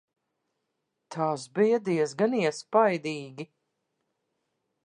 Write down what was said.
Tas bija diezgan iespaidīgi.